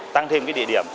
tăng thêm địa điểm